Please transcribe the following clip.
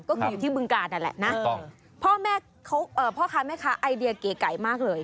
ก็คืออยู่ที่บึงกาลนั่นแหละนะพ่อแม่พ่อค้าแม่ค้าไอเดียเก๋ไก่มากเลย